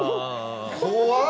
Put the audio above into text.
怖っ！